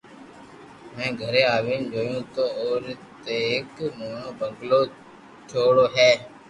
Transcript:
ھين گھري آوين جويو تو او ري تي ايڪ موٽو بنگلو ٺيو ڙو ھي